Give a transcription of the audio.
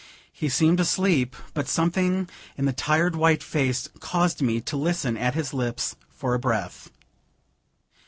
He seemed asleep; but something in the tired white face caused me to listen at his lips for a breath.